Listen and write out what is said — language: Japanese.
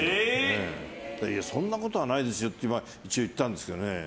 そんなことはないですよって一応、言ったんですけどね。